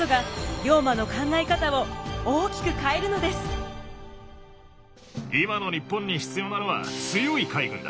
この出会いこそが今の日本に必要なのは強い海軍だ。